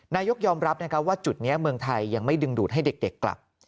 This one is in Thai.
นายกยอมรับนะครับว่าจุดนี้เมืองไทยยังไม่ดึงดูดให้เด็กกลับ